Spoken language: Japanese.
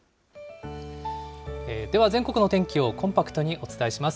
では全国のお天気をコンパクトにお伝えします。